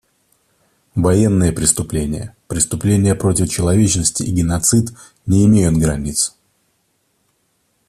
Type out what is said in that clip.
Военные преступления, преступления против человечности и геноцид не имеют границ.